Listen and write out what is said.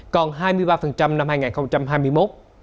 còn hai mươi ba năm hai nghìn một mươi chín